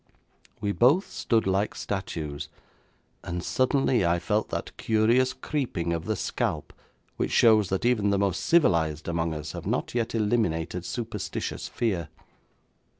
We both stood like statues, and suddenly I felt that curious creeping of the scalp which shows that even the most civilised among us have not yet eliminated superstitious fear.